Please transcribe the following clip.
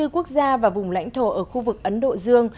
hai mươi bốn quốc gia và vùng lãnh thổ ở khu vực ấn độ